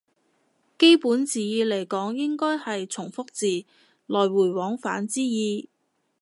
基本字義嚟講應該係從復字，來回往返之意